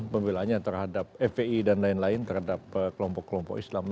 pembelaannya terhadap fpi dan lain lain terhadap kelompok kelompok islam